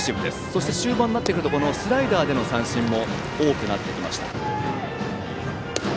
そして終盤になってくるとスライダーでの三振も多くなってきました。